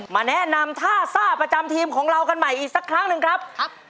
มาแนะนำท่าซ่าประจำทีมของเรากันใหม่อีกสักครั้งหนึ่งครับ